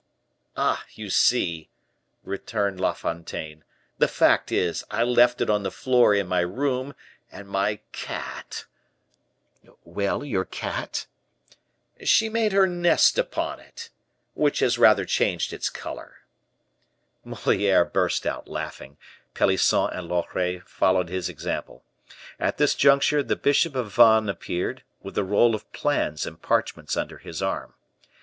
"Ah, you see," resumed La Fontaine, "the fact is, I left it on the floor in my room, and my cat " "Well, your cat " "She made her nest upon it, which has rather changed its color." Moliere burst out laughing; Pelisson and Loret followed his example. At this juncture, the bishop of Vannes appeared, with a roll of plans and parchments under his arm.